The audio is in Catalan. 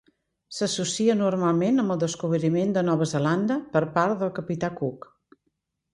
S'associa normalment amb el descobriment de Nova Zelanda per part del Capità Cook.